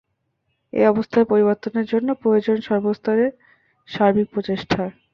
এই অবস্থার পরিবর্তনের জন্য প্রয়োজন সর্বস্তরে সার্বিক প্রচেষ্টা।